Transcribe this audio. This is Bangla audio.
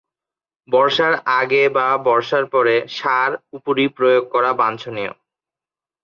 বর্ষার আগে বা বর্ষার পরে সার উপরি প্রয়োগ করা বাঞ্ছনীয়।